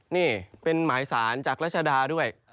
นี่เป็นหมายสารจากรัชดาด้วย